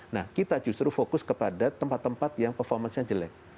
nah kita justru fokus kepada tempat tempat yang performance nya jelek